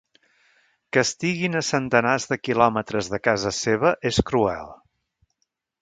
Que estiguin a centenars de quilòmetres de casa seva és cruel.